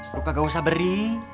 lu kagak usah beri